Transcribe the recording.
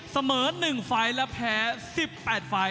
เสมอ๑ไฟล์และแพ้๑๘ไฟล์